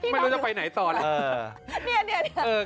ไม่รู้จะไปไหนต่อแล้ว